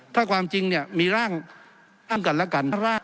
ถ้าความจริงมีร่างกันและกัน